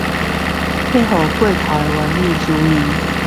克服過度完美主義